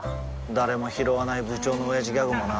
誰もひろわない部長のオヤジギャグもな